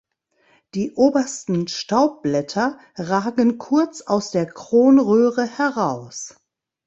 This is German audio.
Die obersten Staubblätter ragen kurz aus der Kronröhre heraus.